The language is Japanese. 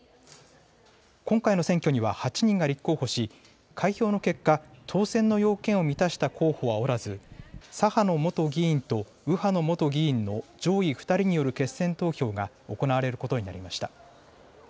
今回の選挙には８人が立候補し開票の結果、当選の要件を満たした候補はおらず左派の元議員と右派の元議員の上位２人による決選投票が行われることになりました。